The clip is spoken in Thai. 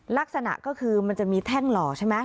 ลักษณะก็คือมันจะมีแท่งหล่อใช่ไหม